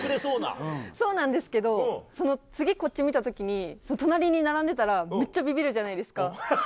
そうなんですけど次見た時に隣に並んでたらめっちゃビビるじゃないですか。